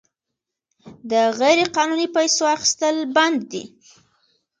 د غیرقانوني پیسو اخیستل بند دي؟